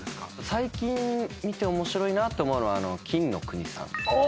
最近見て面白いなって思うのは金の国さん。